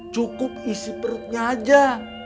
cukup isi perutnya aja